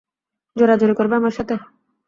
জোরাজুরি করবে আমার সাথে?